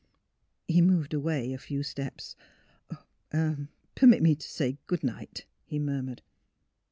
He moved away a few steps. " I — Permit me to say good night," he murmured.